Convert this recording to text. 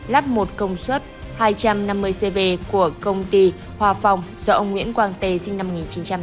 lắp một công suất hai trăm năm mươi cv của công ty hòa phong do ông nguyễn quang tê sinh năm một nghìn chín trăm tám mươi